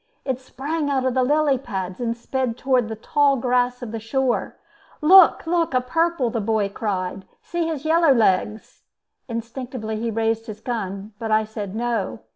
It sprang out of the lily pads, and sped toward the tall grass of the shore. "Look! look! a purple!" the boy cried. "See his yellow legs!" Instinctively he raised his gun, but I said No.